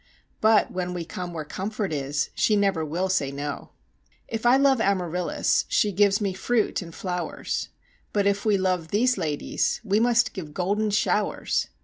But when we come where comfort is, she never will say no. If I love Amaryllis, she gives me fruit and flowers; But if we love these ladies, we must give golden showers.